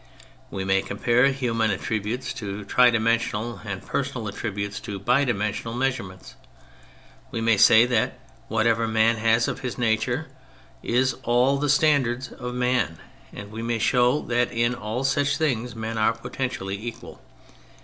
We may compare human attributes to tri dimensional, and personal attributes to bi dimensional measurements ; we may say that whatever man has of his nature is the standard of man, and we may show that in all such things men are potentially equal.